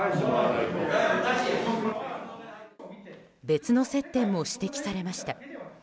別の接点も指摘されました。